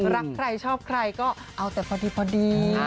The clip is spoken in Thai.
รักใครชอบใครก็เอาแต่พอดี